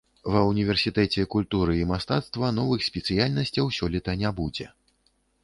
Ва ўніверсітэце культуры і мастацтва новых спецыяльнасцяў сёлета не будзе.